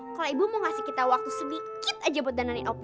kalau ibu mau ngasih kita waktu sedikit aja buat dana opini